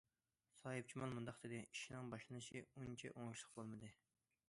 ساھىبجامال مۇنداق دېدى: ئىشنىڭ باشلىنىشى ئۇنچە ئوڭۇشلۇق بولمىدى.